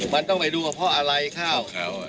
มันต้องไปดูเฉพาะอะไรข้าว